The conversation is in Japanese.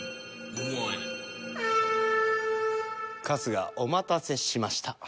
春日お待たせしました。